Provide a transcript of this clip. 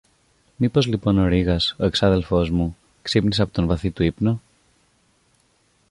Μήπως λοιπόν ο Ρήγας, ο εξάδελφος μου, ξύπνησε από το βαθύ του ύπνο;